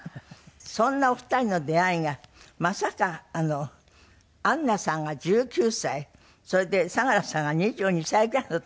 そんなお二人の出会いがまさか安奈さんが１９歳それで佐良さんが２２歳ぐらいの時？